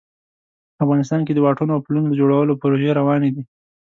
افغانستان کې د واټونو او پلونو د جوړولو پروژې روانې دي